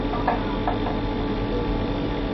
高严曾是前国务院总理李鹏的爱将。